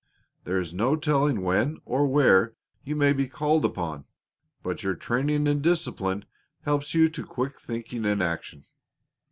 There is no telling when or where you may be called upon, but your training and discipline helps you to quick thinking and action."